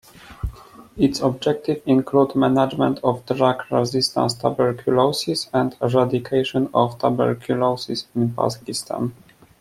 Its objective include "Management of Drug Resistant Tuberculosis" and "Eradication of Tuberculosis" in Pakistan.